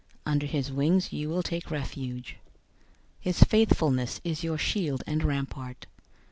Under his wings you will take refuge. His faithfulness is your shield and rampart.